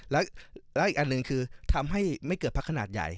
แล้วอีกอันหนึ่งคือทำให้ไม่เกิดพักขนาดใหญ่